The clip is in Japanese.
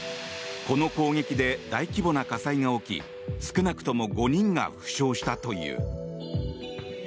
この攻撃で大規模な火災が起き少なくとも５人が負傷したという。